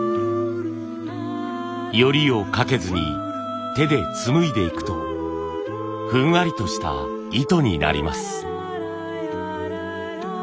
撚りをかけずに手でつむいでいくとふんわりとした糸になります。